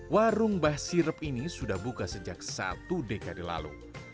warung bahsirep ini sudah buka sejak satu dekade lalu